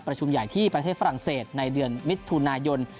ประชุมใหญ่ที่ประเทศฝรั่งเศสในเดือนมิถุนายน